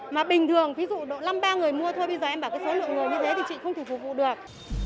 mà bình thường thí dụ năm ba người mua thôi bây giờ em bảo cái số lượng người như thế thì chị không thể phục vụ được